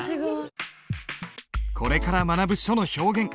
これから学ぶ書の表現。